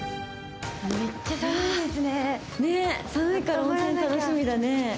寒いから温泉楽しみだね。